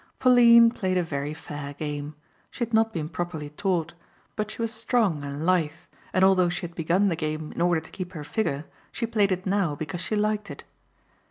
Pauline played a very fair game. She had not been properly taught. But she was strong and lithe and although she had begun the game in order to keep her figure she played it now because she liked it.